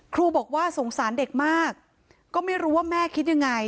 ครูบอกว่าสงสารเด็กมากก็ไม่รู้ว่าแม่คิดยังไง